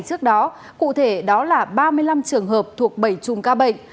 trước đó cụ thể đó là ba mươi năm trường hợp thuộc bảy chùm ca bệnh